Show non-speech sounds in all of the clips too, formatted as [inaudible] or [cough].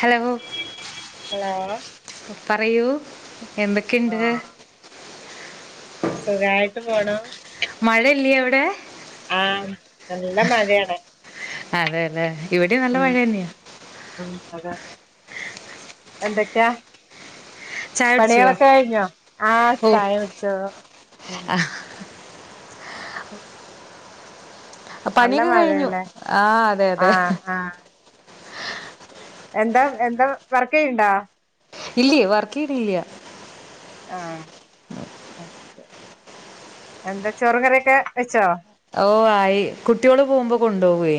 Hello hello പറയൂ ആ എന്തൊക്കെയുണ്ട് സുഖായിട്ട് പോണു മഴ ഇല്ല്യെ അവിടെ ആഹ് നല്ല മഴയാണ് അതെ ലെ ഇവടിം നല്ല ഉം മഴന്നെയാ ഉം അതെ അതെ എന്തേക്കെയാ ചായ കുടിച്ചോ പണികളൊക്കെ കഴിഞ്ഞോ ആ ഓ ചായ വെച്ചു ആ, നല്ല പണിയൊക്കെ കഴിഞ്ഞു ആ അതെ അതെ ആ എന്താ എന്താ വർക്കെയ്യ്ണ്ടോ ഇല്ലേ വർക്കയ്യ്ണില്ല ആ എന്താ ചോറും കറിയൊക്കെ വെച്ചോ ഓ ആയി കുട്ട്യോള് പോവുമ്പം കൊണ്ടോവെ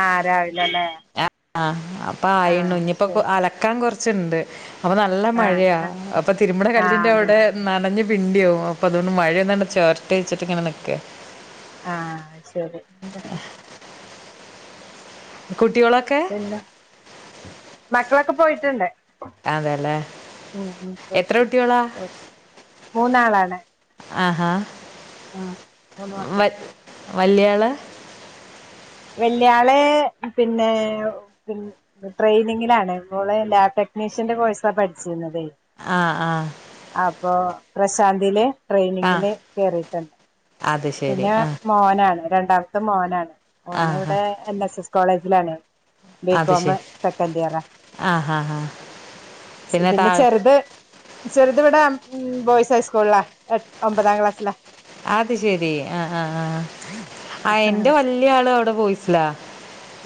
ആ രാവില ലെ ആ അപ്പ ആയിണു ഇഞ്ഞിപ്പോ ശരി അലക്കാൻ കൊർച്ച്ണ്ട് അപ്പൊ നല്ല ആഹ് മഴയാ ആഹ് അപ്പ തിര്മ്പ്ണ ആഹ് അതെ കല്ലിന്റവ്ടെ നനഞ് പിണ്ടി ആവും അപ്പൊ അതുകൊണ്ട് മഴയൊന്ന് ചേര്ട്ടെ വെച്ചിട്ട് ഇങ്ങനെ നിക്ക ആ ശരി കുട്ട്യോളക്കെ മക്കളക്ക പോയിട്ട്ണ്ട് അതെല്ലേ ഉം ഉം എത്ര കുട്ടികളാ മൂന്നാളാണ് ആഹാ ആഹ് മൂന്ന് വ മക്കള് വല്യാള വെല്യ ആള് ട്രെയിനിങ്ങില ആാണ് ഓള് ലാബ് ടെക്നീഷ്യന്റെ കോഴ്സാണ് പഠിച്ചിരുന്നതേ ആഹ ആ അപ്പൊ ആ പ്രശാന്തില്ട്രെയിനിങ്ങില് കേറിയിട്ടുണ്ട് അത് ശരി പിന്നെ ആ മോനാണ് രണ്ടാമത്തെ മോനാണ് മോന ആ ആ ഇവിടെ എൻ എസ് എസ് കോളേജിലാണ് ബികാം സെക്കന്റ് ഇയർ ആഹ് ആ ആ പിന്നെ ചെറുത് ചെറുതവിട ബോയ്സ് ഹൈസ്കൂളില ഒമ്പതാം ക്ലാസ്സില അത് ശെരി ആ ആ ആ അ എന്റെ വല്യ ആള് അവിടെ ബോയ്സില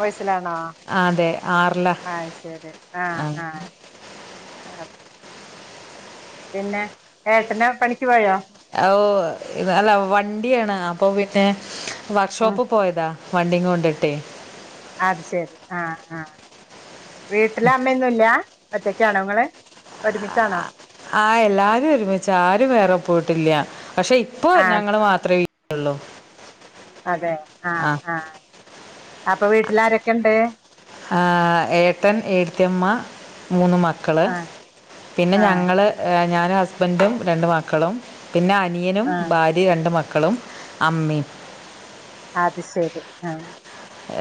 ബോയ്സിലാണോ ആ അതെ ആറില ആ ശരി ആഹ ആഹ പിന്നെ ഏട്ടനെ പണിക്ക് പോയോ ആ ഓ വണ്ടിയാണ് അപ്പൊ പിന്നെ വർക്ക് ഉം ഷോപ്പ് പോയതാ വണ്ടിങ്ങോണ്ടിട്ടെ അത് ശെരി ആഹ ആഹ വീട്ടില് അമ്മയൊന്നും ഇല്ല ഒറ്റയ്ക്ക് ആണോ നിങ്ങള് ഒരുമിച്ച ആണോ ആഹ എല്ലാരും ഒരുമിച്ച ആരും വേറെ പോയിട്ടില്ല പക്ഷെ ഇപ്പൊ ആഹ് ഞങ്ങള് മാത്രയി ഉള്ളു അതെ ആഹ ആഹ അപ്പൊ വീട്ടിൽ ആരൊക്കെ ഇണ്ട് ഏട്ടൻ ഏട്ടത്തിയമ്മ മൂന്ന് മക്കള് ആഹ് പിന്നെ ആഹ് ഞങ്ങള് ഏ ഞാനും ഹസ്ബൻഡും രണ്ട് മക്കളും പിന്നെ അനിയനും ആഹ് ഭാര്യ ടി രണ്ട് മക്കളും അമ്മേം അത് ശെരി ആ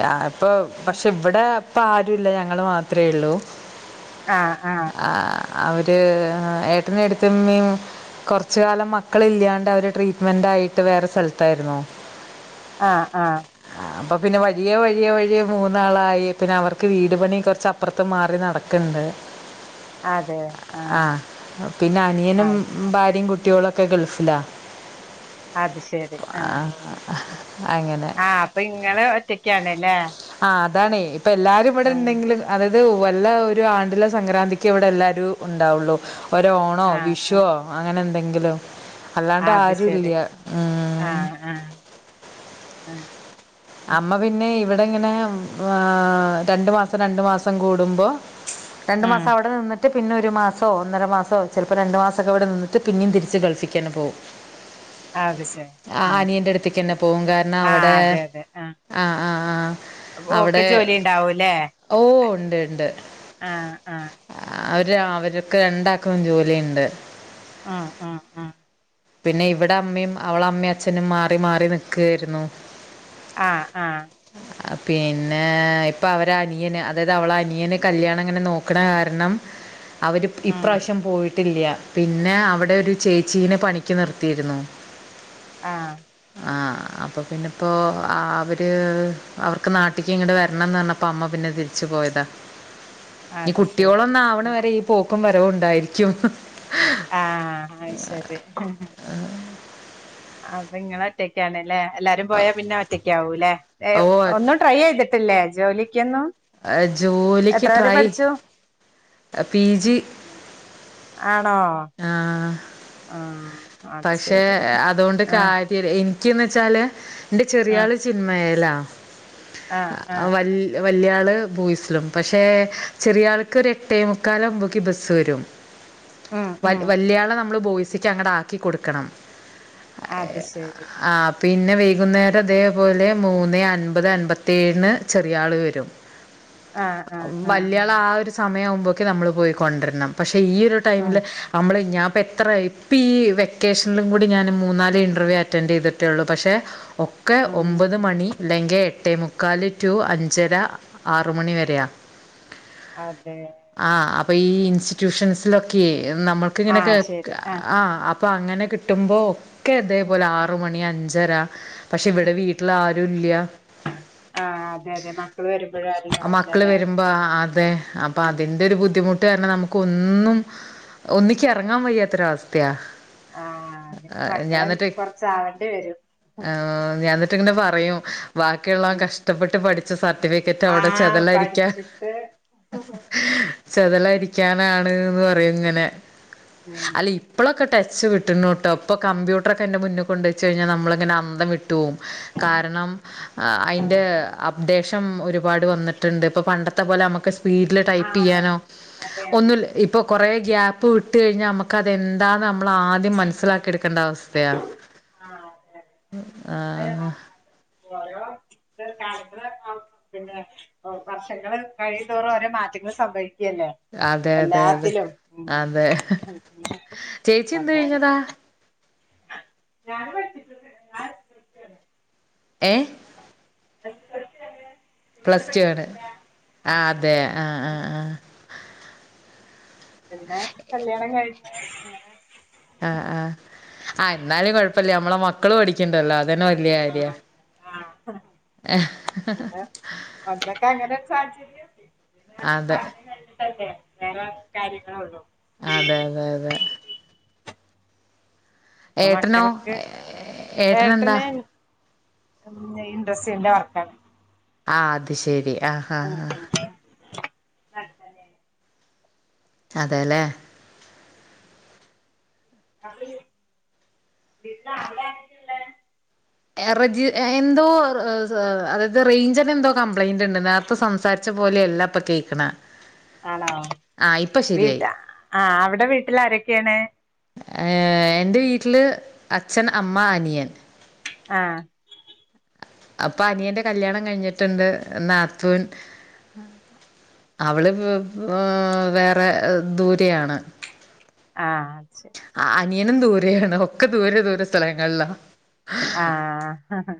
യാ ഇപ്പൊ പക്ഷെ ഇവിടെ ഇപ്പ ആരുല്ല ഞങ്ങള് മാത്രേ എള്ളൂ ആഹ ആഹ ആ അവര് ഏട്ടനും ഏടത്തിയമ്മയും കൊറച്ച കാലം മക്കള് ഇല്യാണ്ട് അവര് ട്രീറ്റ്മെന്റ് ആയിട്ട് വേറെ സ്ഥലത്തായിരുന്നു ആ ആ ആ അപ്പൊ പിന്നെ വയ്യ വഴിയ വഴിയ വഴിയ മൂന്നാളായി പിന്നെ അവർക്ക് വീട് പണി കൊറച്ച് അപ്പുറത്ത് മാറി നടക്കണ്ട് അതെ ആഹ് ആഹ പിന്നെ അനിയനും അത് ഭാര്യയും കുട്ടികള് ഒക്കെ ഗൾഫിലാണ് അത് ശരി ആഹ ആ ആഹ് അങ്ങനെ ആ അപ്പ ഇങ്ങള് ഒറ്റക്കാണ് അല്ലേ ആ അതാണേ ഇപ്പൊ എല്ലാരും ഇവിടെ ഉണ്ടെങ്കില് അതായത് വല്ല ഒരു ആണ്ടിലെ സംക്രാന്തിക്ക് ഇവിടെ എല്ലാരും ഒണ്ടാവുള്ളു ഒര് ഓണോ ആഹ് ആഹ് വിഷുവോ അങ്ങനെ എന്തെങ്കിലും അല്ലാണ്ട് അത് ആരു ഇല്ല ശരി ഉ ആ അമ്മ പിന്നെ ഇവിടെ ഇങ്ങനെ രണ്ട് മാസം രണ്ട് മാസം കൂടുമ്പോ രണ്ടു ഉം മാസം അവിടെ നിന്നിട്ട് പിന്നെ ഒരു മാസോ ഒന്നര മാസോ ചെലപ്പോ രണ്ട് മാസമൊക്കെ ഇവിടെ നിന്നിട്ട് പിന്നെയും തിരിച്ച് ഗൾഫിക്ക് തന്നെ പോവും അത് ശരി ആ അനിയന്റ് അടുത്തേക്ക് തന്നെ പോകും കാരണം ആ അവിടെ അതെ അതെ ആ ആഹ ആഹ് ആഹ ഓക്ക് അവിടെ ജോലി ഉണ്ടാവൂല്ലേ ഓ ഒണ്ട് ഒണ്ട് ആഹ് ആഹ് ആഹ് അവര് അവരക്കെ രണ്ടാക്കും ജോലിയുണ്ട് ആഹ് ആഹ് പിന്നെ ഇവിടെ അമ്മയും അവള അമ്മയും അച്ഛനും മാറി മാറി നിക്കായിരുന്നു ആഹ് ആഹ് ആ പിന്നെ ഇപ്പ അവര് അനിയന് അതായത് അവള അനിയനെ കല്യാണം അങ്ങനെ നോക്കണ കാരണം അവര് ഉം ഇപ്രാവശ്യം പോയിട്ടില്ല പിന്നെ അവിടെ ഒരു ചേച്ചീനെ പണി ക്ക് നിർത്തിയിരുന്നു ആഹ് അപ്പ പിന്നെ ഇപ്പോ അവര് അവർക്ക് നാട്ടിക്ക് ഇങ്ങട് വരണം എന്ന് പറഞ്ഞപ്പ അമ്മ പിന്നെ തിരിച്ചു പോയതാ ഈ അത് കുട്ടിയോള് ശരി ഒന്ന് ആവണ വരെ ഈ പോക്കും വരവും ഉണ്ടായിരിക്കും ഉം ആഹ് അയ് ശരി ഉം ഉം ആഹ് അപ്പൊ ങ്ങള് ഒറ്റക്കാണ്ല്ലേ എല്ലാരും പോയാ പിന്നെ ഒറ്റക്കാവുലെ ഓ ഒന്നു ട്രൈ ചെയ്തിട്ടില്ലേ ജോലിക്കൊന്നും ജോലിക്ക് എത്ര വരെ ട്രൈ പഠിച്ചു പി ജി ആണോ ആഹ് ആ അത് പക്ഷേ ശരി അതുകൊണ്ട് ആ കാര്യ എനക്ക്ന്ന് വെച്ചാല് എന്റെ ആ ചെറിയാള് ആ ആ [unintelligible] വലിയ വലിയാൾ ബോയ്സിലും പക്ഷേ ചെറിയ ആൾക് ഒരു എട്ടേമുക്കാൽ ആവുമ്പോക്ക് ബസ്സ് വരും [inaudible] വ ഉം വല്യാളെ നമ്മള് ബോയ്സിക്ക് അങ്ങട ആക്കികൊടുക്കണം അത് ശരി ആഹ് പിന്നെ വൈകുന്നേരം അതേപോലെ മൂന്ന് അൻപത് അൻപത്തിേഏഴിന് ചെറിയാൾ വരും [inaudible] ആ ആ വല്യാളെ ആഹ് ഒരു സമയം ആവുമ്പോക്കെ നമ്മള് പോയി കൊണ്ടുവരണം പക്ഷെ ഈ ഒരു ടൈമിൽ ഉം അമ്മള് ഞാൻ പ്പോ എത്ര പ്പീ വെക്കേഷനിലും കൂടി ഞാൻ മൂന്നാല് ഇന്റർവ്യൂ അറ്റൻഡ് ചെയ്തിട്ടേ ഉള്ളൂ പക്ഷേ ഒക്കെ ആഹ് ഒമ്പത് മണി അല്ലെങ്കിൽ എട്ടേ മുക്കാൽ ടു അഞ്ചര ആറ് മണി വരെയ അതെ ആഹ് അപ്പൊ ഈ ഇൻസ്റ്റിറ്റ്യൂഷൻസിലൊക്കെ നമ്മൾക്ക് ഇങ്ങനെക്കെ ആഹ് ശരി ആഹ് അപ്പ അങ്ങനെ കിട്ടുമ്പോൾ ഒക്കെ അതേപോലെ ആറ് മണി അഞ്ചര പക്ഷെ ഇവിടെ വീട്ടിൽ ആരും ഇല്ല ആഹ് അതെ അതെ [unintelligible] മക്കൾ വരുമ്പോഴ മക്കള് വരുമ്പോ അതെ അപ്പൊ അതിന്റെ ഒരു ബുദ്ധിമുട്ട് ട്ട് പറഞ്ഞാൽ നമുക്ക് ഒന്നും ഒന്നിക്ക ഇറങ്ങാൻ വയ്യാത്തൊരവസ്ഥയാ ആഹ് ഞ്ഞിപ്പോ മക്കളെ കൊറച്ചാവേണ്ടി വരും ആഹ് ഞാൻ എന്നിട്ട്ങ്ങനെ പറയും ബാക്കിയുള്ളവൻ ഉം കഷ്ടപ്പെട്ട് പഠിച്ച സർട്ടിഫിക്കറ്റ് അവിടെ ആഹ് ചേതലരിക്ക പഠിച്ചിട്ട് ചെതലരിക്കാനാണ്ന്ന് പറയും ഇങ്ങനെ ഉം അല്ല ഇപ്പോഴൊക്കെ ടച്ച് വിട്ടീൻ ട്ടോ ഇപ്പൊ കമ്പ്യൂട്ടർക്കെ എന്റെ മുന്നിൽ കൊണ്ട് വെച്ച് കഴിഞ്ഞാൽ നമ്മളങ്ങനെ അന്തം വിട്ടു പോവും കാരണം ആഹ് അയ്‌ന്റെ അപ്ഡേഷൻ ഒരു ഒരുപാട് വന്നിട്ടുണ്ട് ഇപ്പൊ പണ്ടത്തെ പോലെ നമുക്ക് സ്പീഡില് ടൈപ്പ് ആഹ് ചെയ്യാനോ അതെ അതെ ഒന്ന അതെ ഇപ്പോൾ കുറേ ഗ്യാപ്പ് വിട്ട കഴിഞ്ഞാൽ നമുക്കതന്താണെന്ന് നമ്മള ആദ്യം മനസ്സിലാക്കിയെടുക്കേണ്ട അവസ്ഥ സ്ഥയാ ആഹ് അതെ അതെ ആ ആഹ് [unintelligible] പിന്നെ വർഷങ്ങള് കഴിയുംതോറും ഓരോ മാറ്റങ്ങൾ സംഭവിക്കുകല്ലേ അതെ അതെ അതെ അതെ ചേച്ചി എന്ത് കഴിഞ്ഞതാ ഞാനും പഠിച്ചിട്ടുണ്ട് ഞാൻ ഏ പ്ലസ് ടുവരെ ആതെ ആ ആ ആ പിന്നെ കല്യാണം കഴിഞ്ഞ് ആ ആ ആ എന്നാലും കൊഴപ്പല്ല നമ്മളെ മക്കള് പഠിക്ക്ണ്ടല്ലോ അതന്നെ വല്ല്യാര്യ ആ [unintelligible] എ ഹേ ഹ് ഹ് മക്കക്ക് അങ്ങനെരു സാഹചര്യം [unintelligible] അങ്ങനെ അതെ സാഹചര്യം വേറെ കാര്യങ്ങളൊള്ളൂ അതെ തെ തെംതെ ഇപ്പ ഏട്ടനോ മക്കളൊക്കെ ഏട്ടനെന്താ ഏട്ടനൻ ആ പിന്നെ ഇൻട്രസ്റ്റീൽ ന്റെ വർക്കാണ് ആ അത് ശെരി ആ ഹാ ഹാ അങ്ങനെ അതേല്ലേ [unintelligible] അ വിട്ട അല്ലെ പിന്നെ അവെടെ എറജ് എ എന്തോ [unintelligible] അതത് റേയിഞ്ചിന് എന്തോ കംപ്ലയിന്റ്ണ്ട് ന്നാ പ്പൊ സംസാരിച്ച പോലെയല്ല ഇപ്പ കേക്ക്ണേ ആണോ വീട്ട ശരിയായി ആ അവ്ടെ വീട്ടിൽ ആരൊക്കെയാണ് ഏ എന്റെ വീട്ടില് അച്ഛൻ അമ്മ അനിയൻ ആ അപ്പ അനിയന്റെ കല്യാണം കഴിഞ്ഞിട്ട്ണ്ട് നാത്തൂൻ അവള് പ് ഏ വേറെ ദൂരെയാണ് ആ ശെ അ അനിയനും ദൂരെയാണ് ഒക്കെ ദൂരേ ദൂരേ സ്ഥലങ്ങളിലാ ആ ഹെ ഹ്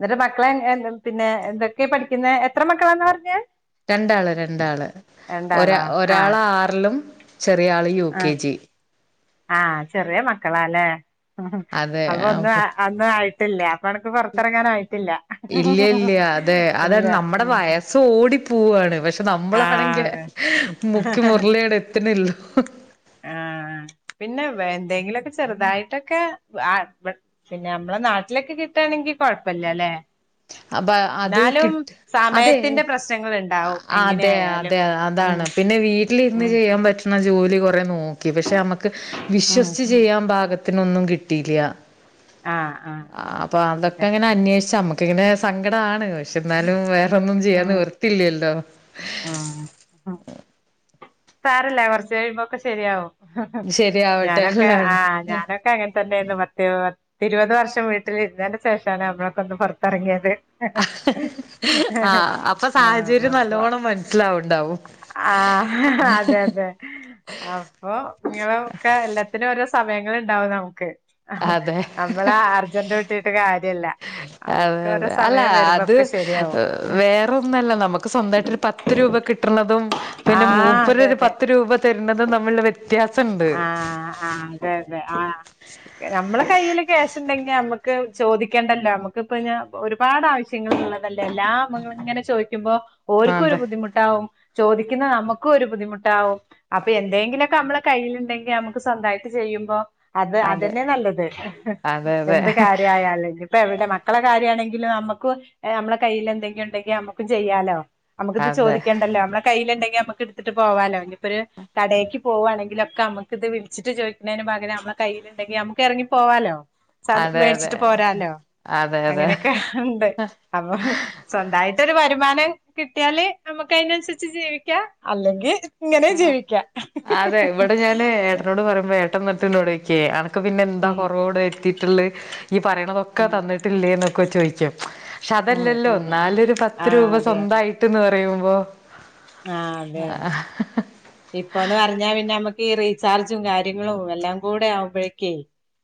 ന്നട്ട് മക്കളെ എൻ എന്ത് പിന്നെ എന്തൊക്കെയാ പഠിക്കുന്നെ എത്ര മക്കളാന്നാ പറ്ഞ്ഞെ രണ്ടാള് രണ്ടാള് ഒരാ ആഹ് ഒരാളാറിലും ചെറിയ ആള് യു കെ ജി ആ ചെറിയ മക്കളാല്ലേ മ്മ്ഹ് ഹ് അപ്പൊ ഒന്ന് ആ അന്ന് ആയി ടില്ലാ അപ്പൊ അനക്ക് പൊ റത്തറങ്ങാനായിട്ടില്ല ഇല്ല ഇല്ല [unintelligible] ഇല്ല മ് പൂവാണ് പക്ഷെ നമ്മളാണെങ്കെ മുക്കി മുർളിയട് എത്ത്ണ്ല്ലോ ആ പിന്നെ വെ എന്തെങ്കിലൊക്കെ ചെറുതായിട്ടൊക്കെ വ് ആ വ് പിന്നെ മ്മളെ നാട്ടിലൊക്കെ കിട്ടാ ണെങ്കി കൊഴപ്പല്ലൃലേ അപ്പ അത് കിട്ട് അതേ സമയത്തിന്റെ പ്രശ്നങ്ങൾ ഉണ്ടാവും എങ്ങനെ അതെ ആയാലും അതെ ഉം അതാണ് പിന്നെ വീട്ടിലിര്ന്ന് ഉം ചെയ്യാൻ പറ്റ് ണജോലി കൊറേ നോക്കി പക്ഷെ മ്മക്ക് ഉം വിശ്വസിച്ച് ചെയ്യാൻ പാക ത്തിനൊന്നും കിട്ടീല്ലൃ ആ ആഹ് ആഹ് ആഹ് അപ്പാതൊക്കെ അതെ അങ്ങനെ അന്വേഷിച്ച മ്മക്ക് ക്ങ്ങനെ സങ്കടാണ് ക്ഷെ എന്നാലും വേറൊന്നും ചെയ്യാനി വർത്തില്ലല്ലോ ആ ഹ് സാരല്ല കൊറച്ച് കഴിയുമ്പോക്കെ ശരിയാവും [unintelligible] ശരിയാവട്ടെ ഞാനൊക്കെ ആ അല്ലാണ്ട് ഞാനൊക് കെ അങ്ങൻതന്നേയ്ന്നു പതേ പത്തിരുപത് വർഷം വീട്ടിലിരുന്നേന്റെ ശേഷാണ് നമ്മളൊക്ക ഒന്ന് പൊറത്തറങ്ങിയത് ആ ഹ് ഹ് അപ്പൊ ആഹ് സാഹചര്യം നല്ലോണ്ണം മനസ്സിലാവ്ണ്ടാവും ആ ഹ ഹ അതെ അതെ അപ്പൊ ഇങ്ങളൊക്കെ എല്ലത്തിനും ഓരോ സമയങ്ങള് ണ്ടാവും നമുക്ക് അ ഹ് അതെ നമ്മളാർജന്റൂട്ടീട്ട് കാര്യല്ല അതെ നമുക്ക് ഓരോ അതെ അല്ല സമയം അത് വരുമ്പോക്കെ ശരിയാവും ഉം വേറൊ ന്നല്ല നമക്ക് സ്വന്തായിട്ട് ഒരു പത്ത് ത്ത് രൂപ കിട്ട്റ്ണതും പിന്നെ ആഹ് മൂപ്പര് അതെ രു അതെ പത്ത് രൂപ തരുന്നതും തമ്മില്ലുള്ള വ്യത്യാസണ്ട് ആ അങ്കെലെ ആ എനമ്മളെ കയ്യില് ക്യാഷ്ണ്ടെങ്കി ഞമ്മക്ക് ചോദിക്കണ്ടല്ലോ നമ്മക്ക് പിന്നാ ഒരുപാട് ആവിശ്യങ്ങൾ ള്ളതല്ലേ എല്ലാം മ്മള് ഇങ്ങനെ ചോയ്ക്കുമ്പോ ഓൽക്കും ഒരു അതെ ബുദ്ധിമുട്ടാവും ചോദിക്കുന്ന നമുക്കും ഒര് ബുദ്ധിമുട്ടാവും അപ്പ എന്തേങ്കിലൊക്കെ അമ്മളെ കയ്യില്ണ്ടെങ്കി നമ്മുക്ക് സ്വന്തായിട്ട് ചെയ്യുമ്പോ അത് അതെ അതന്നെ നല്ലത്. അതെ [inaudible] അതെ എന്ത് കാര്യായാലും ഇപ്പ എവിടെ മക്കളെ കാര്യാണെങ്കിലും നമ്മുക്കും ഏഹ് നമ്മളെ കയ്യില് എന്തെങ്കിലുണ്ടെങ്കി നമ്മുക്കും ചെയ്യാലോ നമുക്ക് ഇത് അതെ ചോദിക്കണ്ടല്ലോ, നമ്മളെ കയ്യില്ണ്ടെങ്കി നമുക്ക് ഇടുത്തിട്ട് പോവാലോ ഇനിപ്പൊര് കടേക്ക് പോവാണെങ്കിലൊക്കെ നമുക്ക് ഇത് വിളിച്ചിട്ട് ചോദിക്ക്ണേന് പകരം നമ്മളെ കയ്യിലുണ്ടെങ്കി നമുക്ക് എറങ്ങിപ്പോവാലോ സാധനം അതെ അതെ മേടിച്ചിട്ട് പോരാലോ അതെ അതെ അങ്ങനെയൊക്കെ ഉണ്ട്. അപ്പൊ സ്വന്തായിട്ടൊരു വരുമാനം കിട്ടിയാല് നമ്മുക്കായ്നൻസരി ച്ച് ജീവിക്ക അല്ലെങ്കി ഇങ്ങനെ ആഹ് ജീവിക്കാം അതെ ഇവിടെ ഞാന് ഏട്ടനോട് പറയുമ്പോ ഏ ട്ടന്ന്ട്ട് ഇന്നോട്യ്ക്കെയ് അനക്ക് പിന്നെ എന്താ ഉം കൊറവുടെ വരുത്തിട്ടില്ലേയ് ഈയ്യ് പറയ്ണതൊക്കെ ഉം തന്നിട്ടില്ലേ എന്നൊക്കെ ചോദിക്കും. ക്ഷെ ഉം അതല്ലല്ലോ ഉം ഉം ഇന്നാലൊര് ആ പത്ത് രൂപ അതെ സ്വന്തായിട്ട്ന്ന് പറയുമ്പോ ആഹ് അതെ ആ അതെ ഇപ്പന്ന് പറഞ്ഞാ പിന്നെ നമുക്ക് ഈ റീചാർജും കാര്യങ്ങളും എല്ലാം കൂടെ ആവുമ്പോഴേക്കേ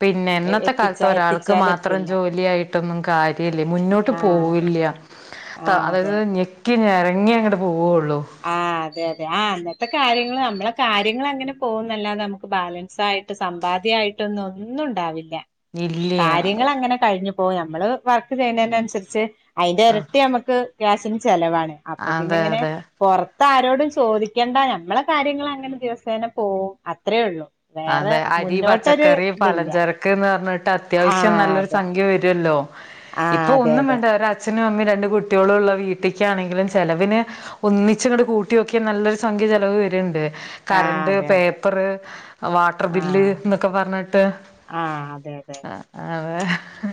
പിന്നെ ഇന്നത്തെ എത്തിച്ചാ കാലത്ത് ഒരാൾക്ക് മാത്രം എത്തിച്ചാലെത്തില്ല ജോലിയായിട്ടൊന്നും കാര്യല്ല മുന്നോട്ട് ആഹ് അതെ പോവില്ല ആഹ് അതെ അതായത് അതെ ഞെക്കി ഞരങ്ങി അങ്ങട്ട് പോവൊള്ളു. ആഹ് അതെ അതെ ആഹ് അന്നത്തെ കാര്യങ്ങള് നമ്മളെ കാര്യളങ്ങനെ പോകുന്നല്ലാതെ നമുക്ക് ബാലൻസായിട്ട് സമ്പാദ്യായിട്ടൊന്നും ഒന്നും ഉണ്ടാവില്ല. ഇല്ല കാര്യങ്ങളങ്ങനെ കഴിഞ്ഞു പോയി ഞമ്മള് വർക്ക് ചെയ്യുന്നതിനനുസരിച്ച് അതിന്റെ ആ എരട്ടി നമ്മക്ക് ഗ്യാസിന് ചെലവാണ് അപ്പൊ പിന്നെ അതെ ഇങ്ങനെ അതെ പോറത്താരോടും ചോദിക്കണ്ട ഞമ്മളെ കാര്യങ്ങളങ്ങനെ ദിവസേന പോവും അത്രേയൊള്ളൂ. വേറെ മുന്നോട്ടൊരു ഇതില്ല. ക്ക്ന്ന് പറഞ്ഞിട്ട് അത്യാവിശ്യം ആഹ് നല്ലൊരു അതെ സംഖ്യ വരല്ലോ. ആഹ് ഇപ്പൊ അതെ ഒന്നും അതെ വേണ്ട ഒരച്ഛനും അമ്മയും രണ്ട് കുട്ടികളും ഉള്ള വീട്ടിലിക്കാണെങ്കിലും ചെലവിന് ഒന്നിച്ചങ്ങട് കൂട്ടി നോക്കിയാ നല്ലൊരു സംഖ്യ ചെലവ് വര്ണ്ട്. ആഹ് കറണ്ട്, അതെ അതെ പേപ്പറ് വാട്ടർ ബില്ല് ആഹ് എന്നൊക്കെ പറഞ്ഞിട്ട് ആഹ് അതെ [inaudible]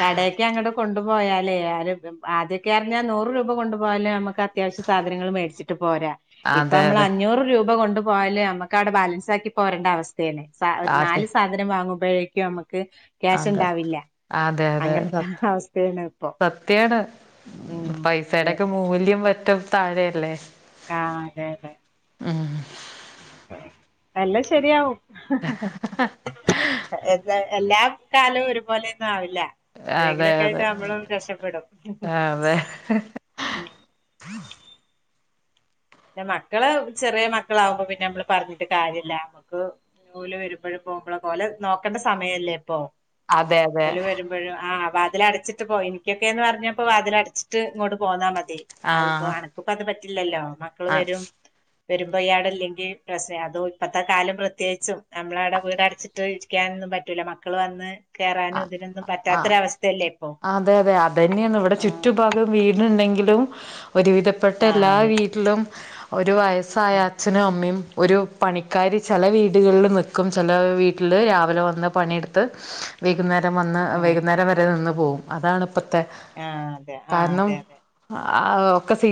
കടേക്കങ്ങട്ട് കൊണ്ടുപോയാലേ ആര് ആദ്യക്കെ അറിഞ്ഞാൽ നൂറ് രൂപ കൊണ്ടുപോയാലേ നമുക്കാ അത്യാവശ്യ സാധങ്ങള് മേടിച്ചിട്ട് പോരാ അതെ ഇപ്പമ്മള് അതെ അഞ്ഞൂറ് രൂപ കൊണ്ട് പോയാല് നമ്മുക്ക് അവിടെ ബാലൻസ് ആക്കി പോരേണ്ട അവസ്ഥ അതെ നാല് സാധനം വാങ്ങുമ്പോഴേക്കും നമുക്ക് ക്യാഷ് അതെ അതെ ഉണ്ടാവില്ല. അതെ അതെ സ ത്യന്നെ ഇപ്പം സത്യാണ് അതെ പൈസെടൊക്കെ അതെ മൂല്യം പറ്റും. താഴെ അല്ലേ ആഹ് അതെ അതെ ആഹ് എല്ലാം ശെരിയാവും. എാ എല്ലാ കാലവും ഒരുപോലെയൊന്നും ആവില്ല അതെ എപ്പോഴെങ്കിലൊക്കെ ആയിട്ട് അതെ നമ്മളൊന്നും രക്ഷപ്പെടും. അതെ. [inaudible] ഉം പിന്നെ മക്കള് ചെറിയ മക്കളാവുമ്പോ പിന്നെ നമ്മള് പറഞ്ഞിട്ട് കാര്യമില്ല. നമ്മുക്ക് ഓലെ വരുമ്പഴും പോകുമ്പളൊക്കെ ഓലെ നോക്കേണ്ട സമയല്ലേ ഇപ്പൊ അതെ അതെ. ഇപ്പഴും ആഹ് വാതിലടച്ചിട്ട് പോയി. എനിക്കൊക്കെന്ന് പറഞ്ഞപ്പോ വാതിലടച്ചിട്ട് ഇങ്ങോട്ട് പോന്നാൽ മതി. ആ അതിപ്പോ അനക്കിപ്പത് പറ്റില്ലല്ലോ മക്കള് ആ വരും വരുമ്പോ ഈയ്യടെല്ലെങ്കില് പ്രശ്നം, അതും ഇപ്പത്തെ കാലം പ്രത്യേകിച്ചും നമ്മളവിടെ വീടച്ചിട്ട് ട്ടിരിക്കാനൊന്നും പറ്റൂല്ല മക്കള് വന്ന് ആ കേയറാനും ഇതിനൊന്നും ആ പറ്റാത്തൊരവസ്ഥയല്ലേ ഇപ്പൊ അതെ അതെ അന്നെയാണ് ഇവിടെ ചുറ്റു ആഹ് ഭാഗം വീടുണ്ടെങ്കിലും ഒരുവിധ പ്പെട്ട ആ എല്ലാ അതെ വീട്ടിലും ഒരു വയസ്സായ ഉം അച്ഛനു അമ്മിം. ഒരു പണിക്കാരി ചെല വീടുകൾല് ന്ന്ക്കും ചെല വീട്ട്ല് രാവിലെ വന്ന് പണിട്ത്ത്. വൈകുന്നേരം വന്ന് ഉം വൈകുന്നേരം വരെ നിന്ന് പോകും അതാണ് പ്പത്തെ ആ അതെ ആ കാര്ണം. അതെ അതെ ആഹ് ഒക്കെ സീ